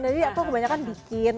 jadi aku kebanyakan bikin